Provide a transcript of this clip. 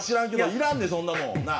いらんねん、そんなの。